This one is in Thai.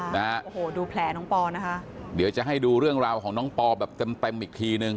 นะฮะโอ้โหดูแผลน้องปอนะคะเดี๋ยวจะให้ดูเรื่องราวของน้องปอแบบเต็มเต็มอีกทีนึง